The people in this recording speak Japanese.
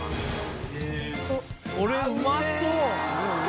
これうまそう。